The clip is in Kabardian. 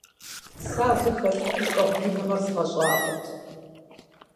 Сэ абы хэлъ гущӀэгъулыныгъэр згъэщӀагъуэрт.